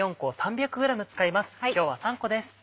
今日は３個です。